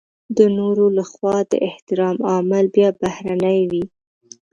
د نورو لخوا د احترام عامل بيا بهرنی وي.